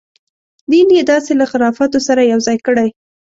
دین یې داسې له خرافاتو سره یو ځای کړی.